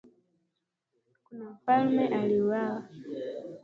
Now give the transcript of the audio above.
Kuna mfalme aliuawa